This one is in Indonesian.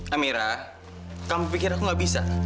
amira kamu pikir aku gak bisa